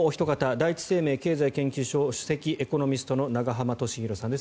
第一生命経済研究所首席エコノミストの永濱利廣さんです。